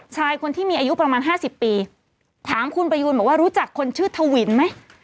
ชายคนที่มีอายุประมาณห้าสิบปีถามคุณประยูนบอกว่ารู้จักคนชื่อทวินไหม